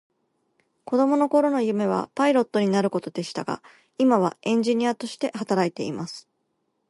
子供の頃の夢はパイロットになることでしたが、今はエンジニアとして働いています。